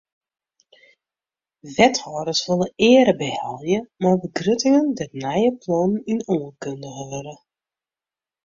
Wethâlders wolle eare behelje mei begruttingen dêr't nije plannen yn oankundige wurde.